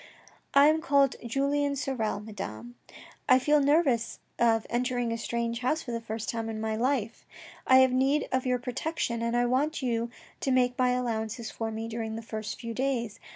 I am called Julien Sorel, Madame. I feel nervous of entering a strange house for the first time in my life. I have need of your protection and I want you to make many allow ances for me during the first few days.